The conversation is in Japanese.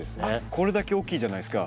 これだけ大きいじゃないですか。